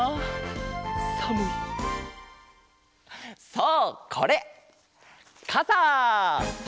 そうこれかさ！